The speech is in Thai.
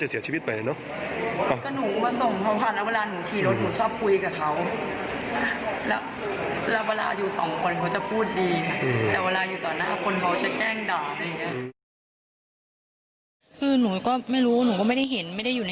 แล้วแล้วเวลาอยู่สองคนเขาจะพูดดีนะ